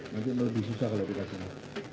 nanti lebih susah kalau kita semua